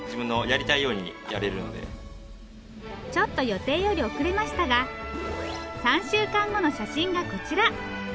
ちょっと予定より遅れましたが３週間後の写真がこちら。